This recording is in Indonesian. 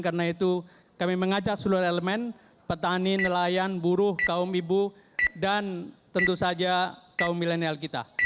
karena itu kami mengajak seluruh elemen petani nelayan buruh kaum ibu dan tentu saja kaum milenial kita